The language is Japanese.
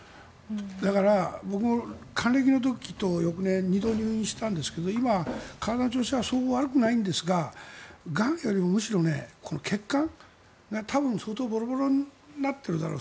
だから僕は還暦の時と翌年、２度入院したんですが今、体の調子はそう悪くないんですががんより、むしろ血管が多分相当ボロボロになっているだろう